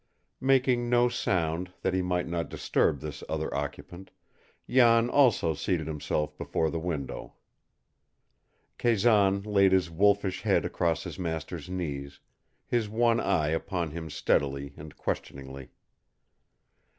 Making no sound, that he might not disturb this other occupant, Jan also seated himself before the window. Kazan laid his wolfish head across his master's knees, his one eye upon him steadily and questioningly.